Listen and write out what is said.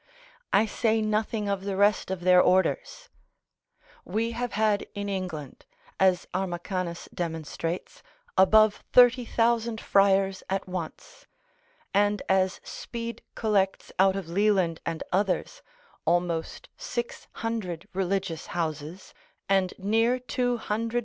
I say nothing of the rest of their orders. We have had in England, as Armachanus demonstrates, above 30,000 friars at once, and as Speed collects out of Leland and others, almost 600 religious houses, and near 200,000_l.